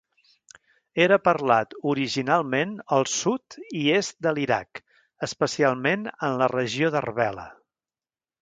Era parlat originalment al sud i est de l'Iraq, especialment en la regió d'Arbela.